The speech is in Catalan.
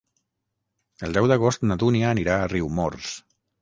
El deu d'agost na Dúnia anirà a Riumors.